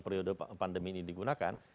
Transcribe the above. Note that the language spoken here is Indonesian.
periode pandemi ini digunakan